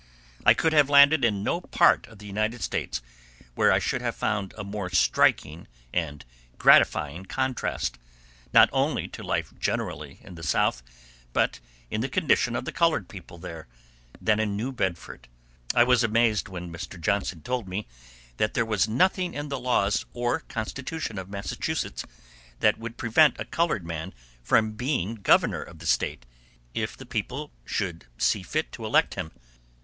I could have landed in no part of the United States where I should have found a more striking and gratifying contrast, not only to life generally in the South, but in the condition of the colored people there, than in New Bedford. I was amazed when Mr. Johnson told me that there was nothing in the laws or constitution of Massachusetts that would prevent a colored man from being governor of the State, if the people should see fit to elect him.